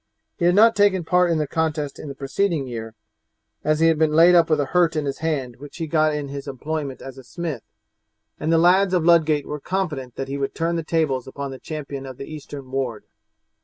He had not taken part in the contest in the preceding year, as he had been laid up with a hurt in his hand which he had got in his employment as a smith, and the lads of Ludgate were confident that he would turn the tables upon the champion of the eastern ward.